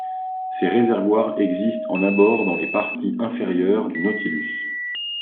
Ces réservoirs existent en abord dans les parties inférieures du Nautilus.